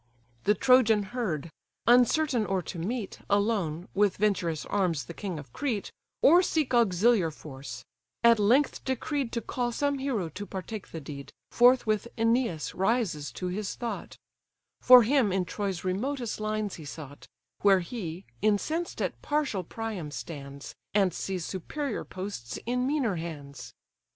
The Trojan heard; uncertain or to meet, Alone, with venturous arms the king of Crete, Or seek auxiliar force; at length decreed To call some hero to partake the deed, Forthwith Æneas rises to his thought: For him in Troy's remotest lines he sought, Where he, incensed at partial Priam, stands, And sees superior posts in meaner hands.